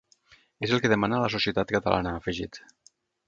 És el que demana la societat catalana, ha afegit.